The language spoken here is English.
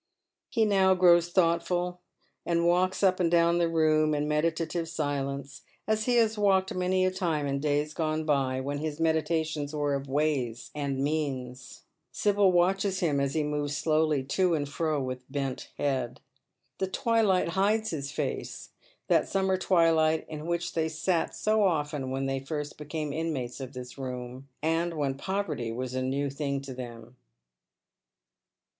He now grows thoughtful, and walks up and down the room in medita tive silence, as he has walked many a time in days gone by when his meditations were of ways and means. Sibyl watches him as he moves slowly to and fro with bent head. The twilight hides his face, that summer twilight in which they sat so often when they first became inmates of this room, and v/hen poverty was a new thing to them.